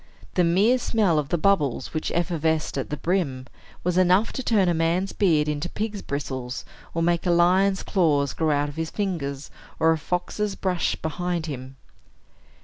The mere smell of the bubbles, which effervesced at the brim, was enough to turn a man's beard into pig's bristles, or make a lion's claws grow out of his fingers, or a fox's brush behind him.